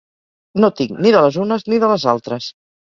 No tinc ni de les unes ni de les altres